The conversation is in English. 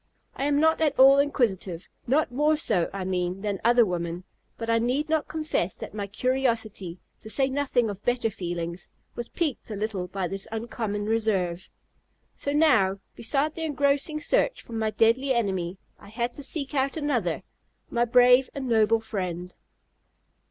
I am not at all inquisitive not more so, I mean, than other women but I need not confess that my curiosity (to say nothing of better feelings) was piqued a little by this uncommon reserve. So now, beside the engrossing search for my deadly enemy, I had to seek out another, my brave and noble friend.